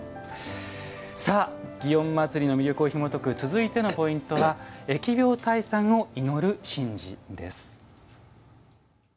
祇園祭の魅力をひもとく続いてのポイントは「疫病退散を祈る神事」です。